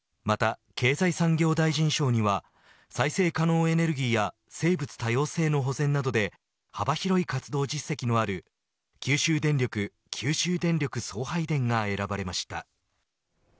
また経済産業大臣賞には再生可能エネルギーや生物多様性の保全などで幅広い活動実績のある九州電力・九州電力送配電が選ばれました。